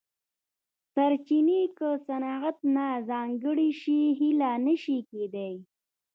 سرچینې که صنعت ته ځانګړې شي هیلې نه شي کېدای.